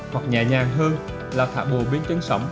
hoặc nhẹ nhàng hơn là thả bồ bên chân sống